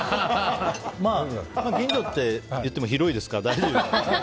まあ、近所って言っても広いですから大丈夫ですよ。